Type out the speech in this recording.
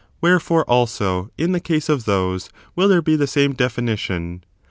Wherefore, also, in the case of those will there be the same definition.